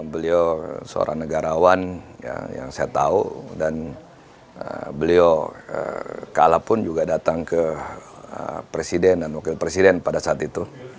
beliau seorang negarawan yang saya tahu dan beliau kalah pun juga datang ke presiden dan wakil presiden pada saat itu